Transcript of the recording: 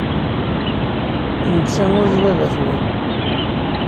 Netta ur d baba-twen.